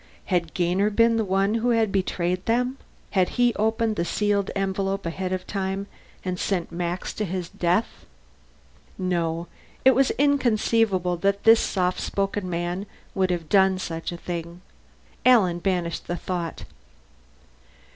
Had Gainer been the one who had betrayed them? Had he opened the sealed envelope ahead of time, and sent Max to his death? No. It was inconceivable that this soft spoken man would have done such a thing. Alan banished the thought.